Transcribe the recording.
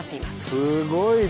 すごいね！